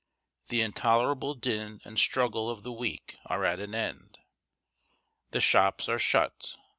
The intolerable din and struggle of the week are at an end. The shops are shut.